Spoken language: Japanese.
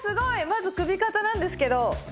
まず首肩なんですけど。